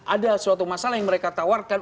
ada suatu masalah yang mereka tawarkan